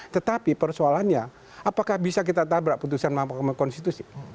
tetapi persoalannya apakah bisa kita tabrak putusan mahkamah konstitusi